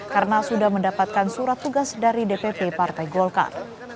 karena sudah mendapatkan surat tugas dari dpp partai golkar